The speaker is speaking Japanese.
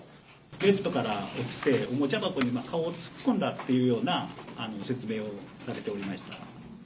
ベッドから落ちて、おもちゃ箱に顔を突っ込んだというような説明をされておりました。